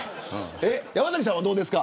山崎さんはどうですか。